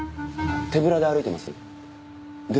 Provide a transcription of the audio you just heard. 手ぶらで歩いてます。